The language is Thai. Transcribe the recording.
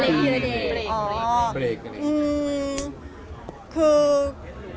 หยุดความสัมพันธ์